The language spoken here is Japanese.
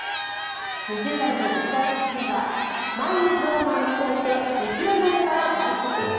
２０代の女子大学生は毎日ドラマを見ていて見切れないから倍速。